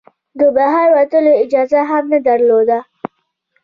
د بهر وتلو اجازه هم نه درلوده.